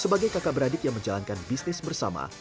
sebagai kakak beradik yang menjalankan bisnis bersama